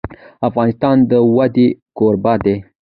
افغانستان د وادي کوربه دی.